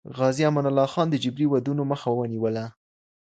غازي امان الله خان د جبري ودونو مخه ونیوله.